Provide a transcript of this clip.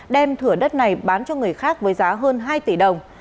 đem thửa đất này bán cho người khác với giá hơn hai tỷ đồng